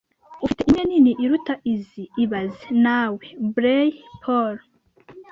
Ufite imwe nini iruta izi ibaze nawe(blay_paul)